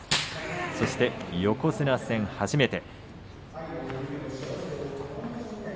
そして横綱戦も初めて。